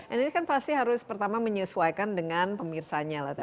ini kan pasti harus pertama menyesuaikan dengan pemirsanya lah